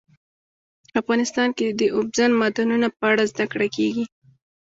افغانستان کې د اوبزین معدنونه په اړه زده کړه کېږي.